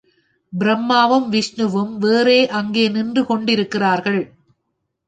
பிரம்மாவும் விஷ்ணுவும் வேறே அங்கே நின்று கெண்டிருக்கிறார்கள்.